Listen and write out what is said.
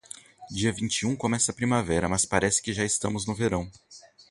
Dia vinte e um começa a primavera, mas, parece que já estamos no verão.